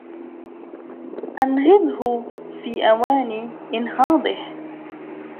أنهضه في أوان إنهاضه